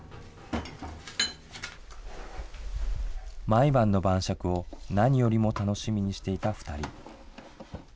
毎晩の晩酌を何よりも楽しみにしていた２人。